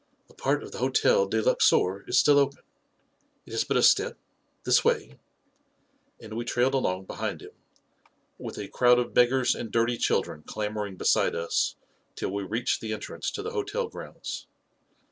" A part of the Hotel de Luxor is still open ; it is but a step — this way," and we trailed along behind him, with a crowd of beg gars and dirty children clamoring beside us till we reached the entrance to the hotel grounds.